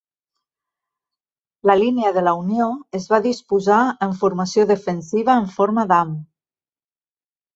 La línia de la Unió es va disposar en formació defensiva en forma d'ham.